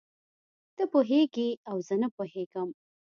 ته پوهېږې او زه نه پوهېږم.